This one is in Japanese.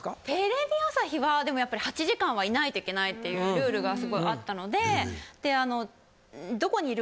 テレビ朝日はやっぱり８時間はいないといけないっていうルールがすごいあったので。